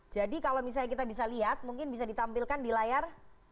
jadi kalau misalnya kita bisa lihat mungkin bisa ditampilkan di layar